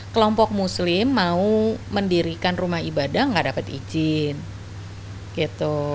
kelompok muslim mau mendirikan rumah ibadah nggak dapat izin gitu